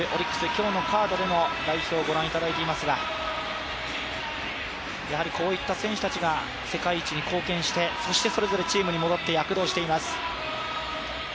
今日のカードでも代表をご覧いただいていますが、やはりこういった選手たちが世界一に貢献してそしてそれぞれチームに戻って躍動しています。